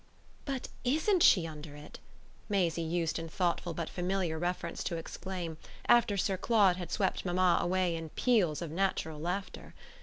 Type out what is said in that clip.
"But ISN'T she under it!" Maisie used in thoughtful but familiar reference to exclaim after Sir Claude had swept mamma away in peals of natural laughter.